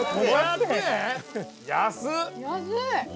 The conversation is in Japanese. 安い！